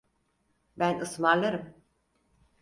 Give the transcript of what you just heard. Ben ısmarlarım.